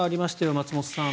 松本さん。